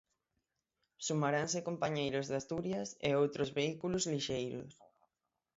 Sumaranse compañeiros de Asturias e outros vehículos lixeiros.